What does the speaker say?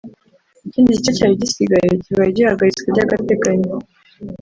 ikindi gice cyari gisigaye kibaye gihagaritswe by’agateganyo